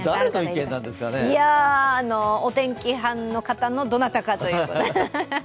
いやお天気班の方のどなたかということで。